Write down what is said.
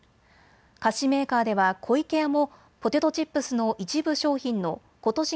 菓子メーカーでは湖池屋もポテトチップスの一部商品のことし